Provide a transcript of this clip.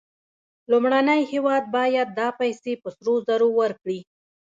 لومړنی هېواد باید دا پیسې په سرو زرو ورکړي